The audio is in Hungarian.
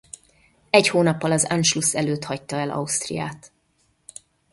Egy hónappal az Anschluss előtt hagyta el Ausztriát.